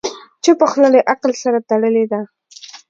چپه خوله، له عقل سره تړلې ده.